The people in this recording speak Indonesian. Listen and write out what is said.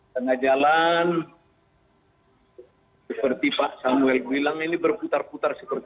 tengah jalan seperti pak samuel bilang ini berputar putar